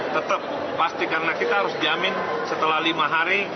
tetap pasti karena kita harus jamin setelah lima hari